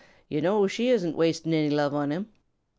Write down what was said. Yo' know she isn't wasting any love on him.